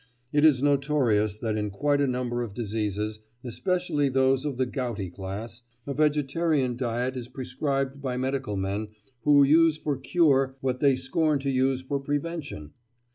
It is notorious that in quite a number of diseases, especially those of the gouty class, a vegetarian diet is prescribed by medical men, who use for cure what they scorn to use for prevention.